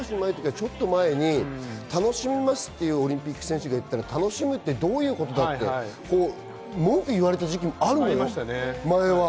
ちょっと前に楽しみますと言うオリンピック選手がいたら楽しむってどういうことだと、文句を言われた時期あるのよ、前は。